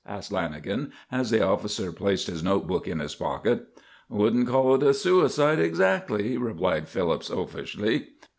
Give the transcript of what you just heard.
asked Lanagan, as the officer placed his note book in his pocket. "Wouldn't call it a suicide, exactly," replied Phillips, offishly.